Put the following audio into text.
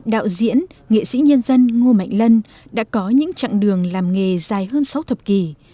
đạo diễn nghệ sĩ nhân dân ngô mạnh lân đã có những chặng đường làm nghề dài hơn sáu thập kỷ